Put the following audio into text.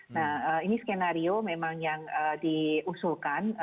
nah ini skenario memang yang diusulkan